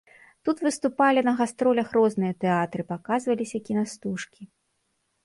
Тут выступалі на гастролях розныя тэатры, паказваліся кінастужкі.